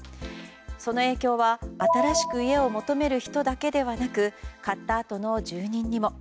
その影響は、新しく家を求める人だけではなく買ったあとの住人にも。